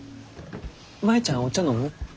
舞ちゃんお茶飲む？